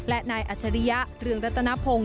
และนายอัจฉริยะเรืองรัตนพงศ์